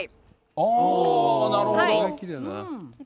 あー、なるほど。